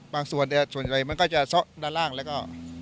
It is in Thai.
ส่วนใหญ่มันก็จะซ่อด้านล่างแล้วก็